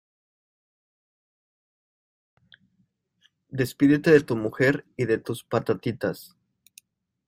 Despídete de tu mujer y de tus patatitas.